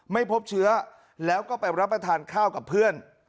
ไม่พบเชื้อแล้วก็ไปรับประทานข้าวกับเพื่อน